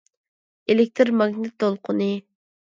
ئېلېكتىر ماگنىت دولقۇنى